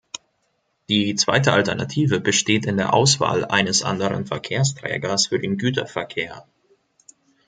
Die zweite Alternative besteht in der Auswahl eines anderen Verkehrsträgers für den Güterverkehr.